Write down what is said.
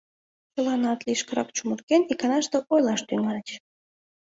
— чыланат, лишкырак чумырген, иканаште ойлаш тӱҥальыч.